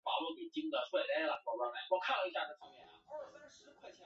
其后参与藤原纯友谋反后的余党平定工作。